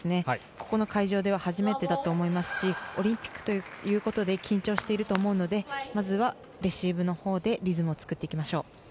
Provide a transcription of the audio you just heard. ここの会場では初めてだと思いますしオリンピックということで緊張していると思うのでまずはレシーブのほうでリズムを作っていきましょう。